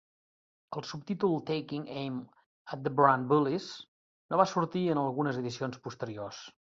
El subtítol "Taking Aim at the Brand Bullies" no va sortir a algunes edicions posteriors.